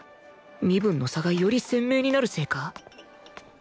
身分の差がより鮮明になるせいか？